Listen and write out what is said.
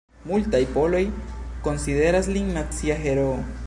Multaj poloj konsideras lin nacia heroo.